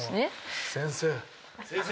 先生！